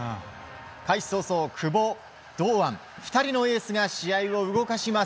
開始早々、久保、堂安２人のエースが試合を動かします。